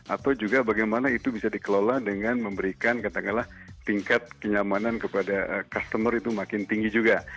atau juga bagaimana itu bisa dikelola dengan memberikan katakanlah tingkat kenyamanan kepada customer itu makin tinggi juga